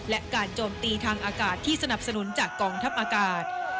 และการโจมตีทางอากาศที่สนับสนุนจากกองทัพอากาศ